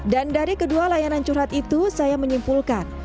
dan dari kedua layanan curhat itu saya menyimpulkan